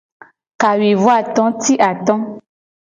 Kawuivoato ti ato.